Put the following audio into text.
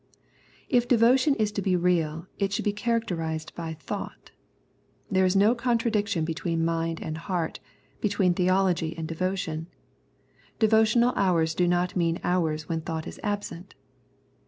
If devotion is to be real it should be characterised by thought. There is no contradiction between mind and heart, between theology and devotion. Devotional hours do not mean hours when thought is absent.